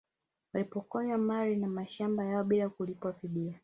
Walipokonywa mali na mashamba yao bila kulipwa fidia